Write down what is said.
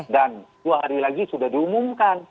dan dua hari lagi sudah diumumkan